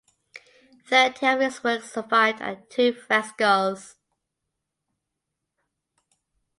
Thirteen of his works survived and two frescos.